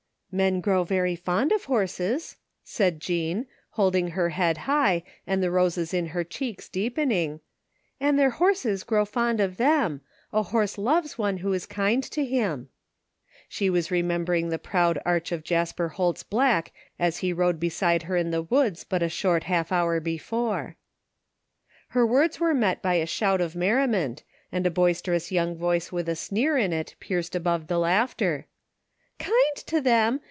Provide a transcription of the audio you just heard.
" Men grow very fond of horses," said Jean, hold ing her head high and the roses in her chedcs deepen ing, " and their horses grow fond of them. A horse loves one who is kind to him." 196 THE FDTOING OF JASPER HOLT She was remembering the proud arch of Jasper Holt's black as he rode beside her in the woods but a short half hour before. Her words were met by a shout of merriment, and a boisterous young voice with a sneer in it pierced above the laughter: " Kind to them